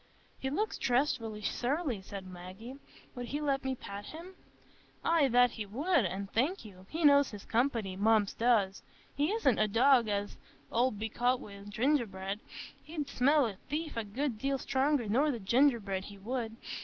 "He looks dreadfully surly," said Maggie. "Would he let me pat him?" "Ay, that would he, and thank you. He knows his company, Mumps does. He isn't a dog as 'ull be caught wi' gingerbread; he'd smell a thief a good deal stronger nor the gingerbread, he would.